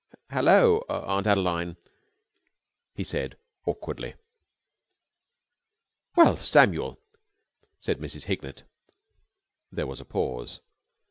"Hallo, Aunt Adeline!" he said awkwardly. "Well, Samuel!" said Mrs. Hignett. There was a pause.